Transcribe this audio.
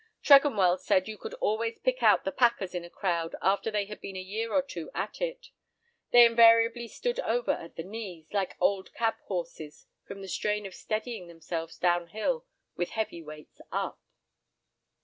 Tregonwell said you could always pick out the packers in a crowd after they had been a year or two at it. They invariably "stood over" at the knees, like old cab horses, from the strain of steadying themselves down hill with heavy weights up.